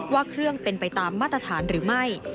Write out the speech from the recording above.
ว่าเครื่องเป็นไปตามมาตรฐานหรือไม่